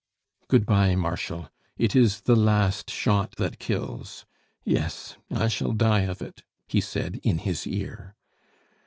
Good bye, Marshal. It is the last shot that kills. Yes, I shall die of it!" he said in his ear.